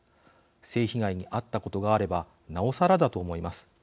性被害に遭ったことがあればなおさらだと思います。